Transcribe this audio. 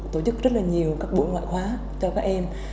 tổ chức rất là nhiều các buổi ngoại khóa cho các em